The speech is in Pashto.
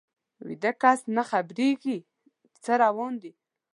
ویده کس نه خبریږي څه روان دي